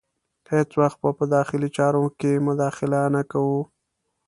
هیڅ وخت به په داخلي چارو کې مداخله نه کوو.